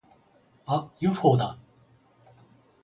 あっ！ユーフォーだ！